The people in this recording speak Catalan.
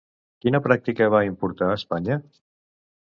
Quina pràctica va importar a Espanya?